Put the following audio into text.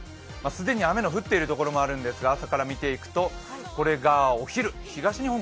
既に雨の降っている所もあるんですが、朝から見ていくとこれが、お昼、東日本